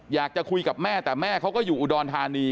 อยากจะคุยกับแม่แต่แม่เขาก็อยู่อุดรธานี